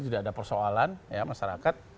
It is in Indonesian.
tidak ada persoalan masyarakat